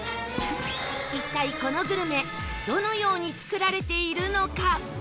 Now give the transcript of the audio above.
一体このグルメどのように作られているのか？